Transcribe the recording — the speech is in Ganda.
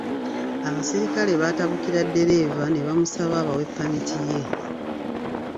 Abasirikale baatabukira ddereeva ne bamusaba abawe ppamiti ye.